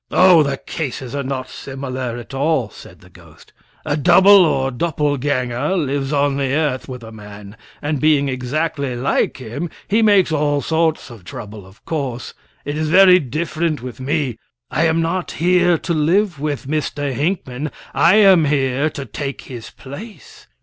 "Oh! the cases are not similar at all," said the ghost. "A double or doppelgänger lives on the earth with a man; and, being exactly like him, he makes all sorts of trouble, of course. It is very different with me. I am not here to live with Mr. Hinckman. I am here to take his place.